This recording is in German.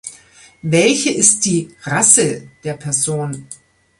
Welche ist die „Rasse“ der Person?